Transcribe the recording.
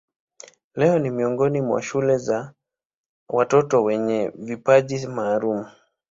Leo ni miongoni mwa shule za watoto wenye vipaji maalumu.